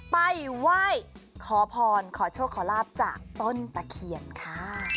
ไปไหว้ขอพรขอโชคขอลาบจากต้นตะเคียนค่ะ